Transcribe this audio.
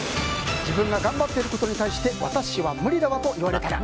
自分が頑張っていることに対して「私は無理だわ」と言われたら。